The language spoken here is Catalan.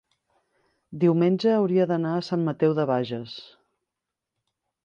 diumenge hauria d'anar a Sant Mateu de Bages.